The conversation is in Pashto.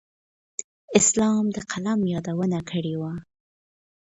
اسلام د قلم یادونه کړې وه.